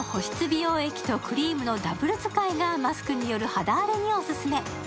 美容液とクリームのダブル使いがマスクによる肌荒れにオススメ。